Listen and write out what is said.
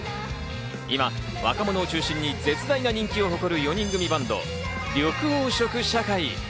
今、若者を中心に絶大な人気を誇る４人組バンド、緑黄色社会。